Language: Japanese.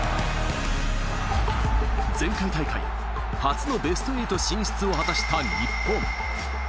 前回大会、初のベスト８進出を果たした日本。